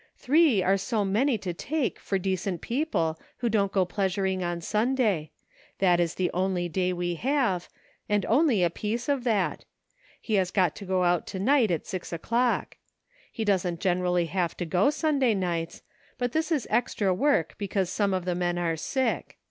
Three are so many to take, for decent people, who don't go pleasuring on Sunday ; that is the only day we have, and only a piece of that. He has got to go out to night at six o'clock. He doesn't generally have to go Sun day nights, but this is extra work because some of the men are sick.